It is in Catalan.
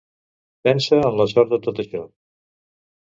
Pensa en la sort de tot això.